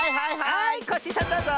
はいコッシーさんどうぞ！